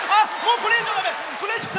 これ以上だめ！